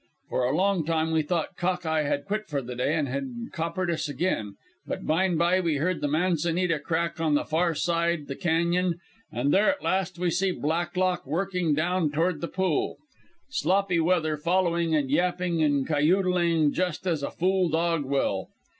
"For a long time we thought Cock eye had quit for the day an' had coppered us again, but byne by we heard the manzanita crack on the far side the cañon, an' there at last we see Blacklock working down toward the pool, Sloppy Weather following an' yapping and cayoodling just as a fool dog will.